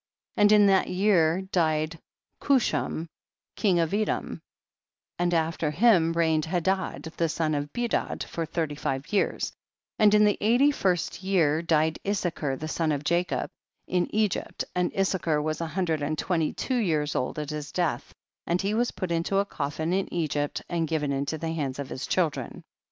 3. And in that year died Chusham king of Edom, and after him reigned Hadad the son of Bedad, for thirty five years ; and in the eighty first year died Issachar the son of Jacob, in Egypt, and Issachar was a hun dred and twenty two years old at his death, and he was put into a coffin in Egypt, and given into the hands of his children.